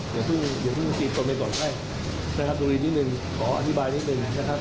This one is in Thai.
เดี๋ยวพึ่งตีตนไปก่อนไข้นะครับดูนิดนึงขออธิบายนิดนึงนะครับ